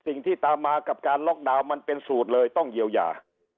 สิ่งที่ตามมากับการล็อกดาวน์มันเป็นสูตรเลยต้องเยียวยา